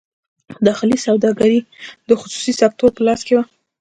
داخلي سوداګري د خصوصي سکتور په لاس کې وه.